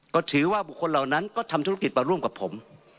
ก็ถือว่าบุคคลเหล่านั้นก็ทำธุรกิจมาร่วมกับผม